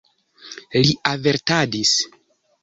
Li avertadis.